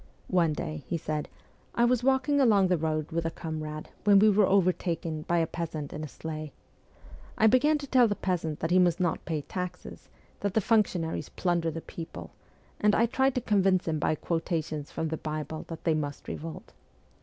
' One day,' he said, ' I was walking along the road with a comrade when we were overtaken by a peasant in a sleigh. I began to tell the peasant that he must not pay taxes, that the function aries plunder the people, and I tried to convince him by quotations from the Bible that they must revolt.